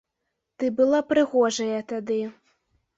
Ты была прыгожая тады.